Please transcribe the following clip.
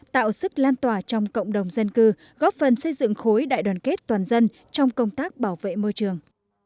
tạo sức lan tỏa trong cộng đồng dân cư góp phần xây dựng khối đại đoàn kết toàn dân trong công tác bảo vệ môi trường